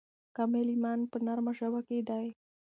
کامل ایمان په نرمه ژبه کې دی.